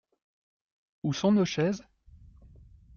Où sont nos chaises ?